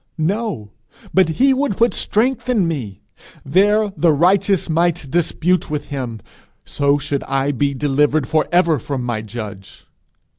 No! but he would put strength in me. There the righteous might dispute with him; so should I be delivered for ever from my judge.